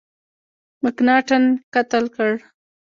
مکناټن قتل کړ.